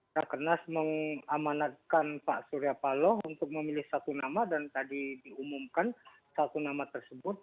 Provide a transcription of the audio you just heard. rakernas mengamanatkan pak surya paloh untuk memilih satu nama dan tadi diumumkan satu nama tersebut